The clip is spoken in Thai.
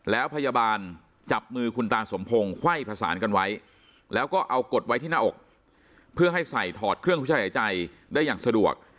แล้วพยาบาลจับมือคุณตาสมพงศ์ไขว้ผสานกันไว้แล้วก็เอากดไว้ที่หน้าอกเพื่อให้ใส่ถอดเครื่องช่วยหายใจได้อย่างสะดวก